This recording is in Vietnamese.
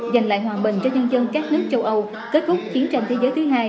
dành lại hòa bình cho nhân dân các nước châu âu kết thúc chiến tranh thế giới thứ hai